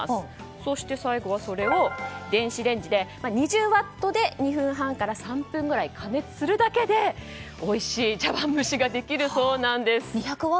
そして最後はそれを電子レンジで２００ワットで２分半から３分ぐらい加熱するだけでおいしい茶わん蒸しができるそうです。